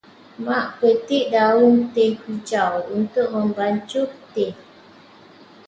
Mak petik daun teh hijau untuk membancuh air teh.